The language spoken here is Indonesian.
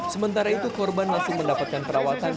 sementara itu korban langsung mendapatkan perawatan